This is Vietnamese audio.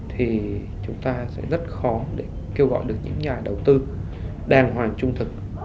thì chúng ta sẽ rất khó để kêu gọi được những nhà đầu tư đàng hoàng trung thực